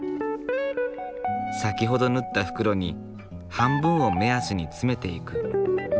先ほど縫った袋に半分を目安に詰めていく。